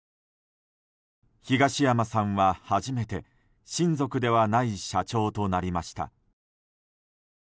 東山さんは初めて親族ではない社長となりました。